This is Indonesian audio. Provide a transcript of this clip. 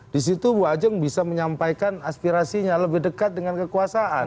di situ bu ajeng bisa menyampaikan aspirasinya lebih dekat dengan kekuasaan